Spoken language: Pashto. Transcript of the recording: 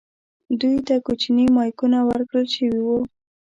دوی ته کوچني مایکونه ورکړل شوي وو.